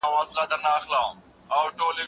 روغتیا د هر انسان لومړنی حق دی.